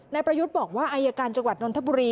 ประยุทธ์บอกว่าอายการจังหวัดนทบุรี